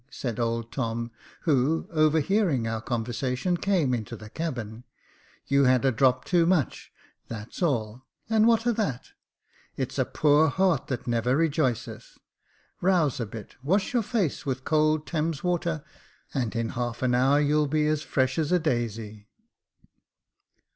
" said old Tom, who, overhearing our con versation, came into the cabin. *' You had a drop too much, that's all, and what o' that ? It's a poor heart that never rejoiceth. Rouse a bit, wash your face with cold Thames water, and in half an hour you'll be as fresh as a daisy."